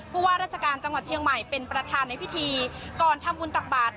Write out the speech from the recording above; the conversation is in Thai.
ว่าราชการจังหวัดเชียงใหม่เป็นประธานในพิธีก่อนทำบุญตักบาท